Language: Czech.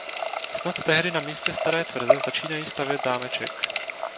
Snad tehdy na místě staré tvrze začínají stavět zámeček.